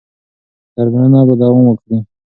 درملنه به دوام وکړي.